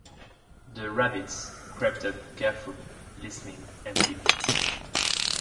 The rabbits crept up carefully, listening and peeping.